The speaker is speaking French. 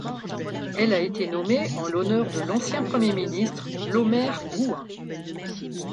Elle a été nommée en l'honneur de l'ancien premier ministre Lomer Gouin.